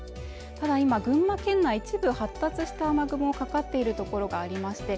ただいま群馬県内一部発達した雨雲かかっているところがありまして